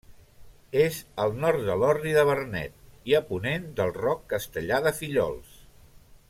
És al nord de l'Orri, de Vernet, i a ponent del Roc Castellar, de Fillols.